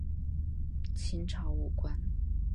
清朝武官。